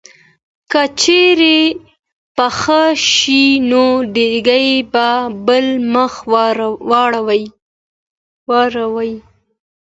کله چې پخه شي نو دیګ په بل مخ واړوي.